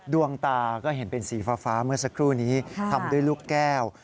ดวงตาก็เห็นเป็นสีฟ้าเมื่อสักครู่นี้ทำด้วยลูกแก้ว